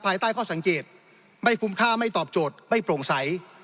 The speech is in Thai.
ภายใต้ข้อสังเกตไม่คุ้มค่าไม่ตอบโจทย์ไม่โปร่งใส